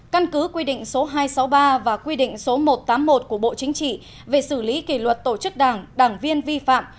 căn cứ quy định số hai trăm sáu mươi ba và quy định số một trăm tám mươi một của bộ chính trị về xử lý kỷ luật tổ chức đảng đảng viên vi phạm